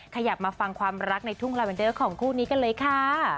ขยับมาฟังความรักในทุ่งลาเวนเดอร์ของคู่นี้กันเลยค่ะ